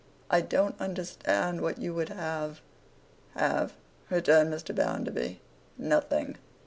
I don't understand what you would have.' 'Have?' returned Mr. Bounderby. 'Nothing.